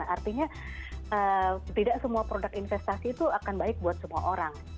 artinya tidak semua produk investasi itu akan baik buat semua orang